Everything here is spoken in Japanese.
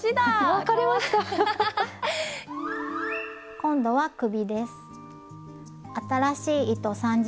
今度は首です。